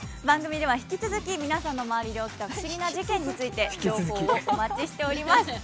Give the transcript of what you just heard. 番組では引き続き皆さんの周りで起きた不思議な事件について情報をお待ちしております。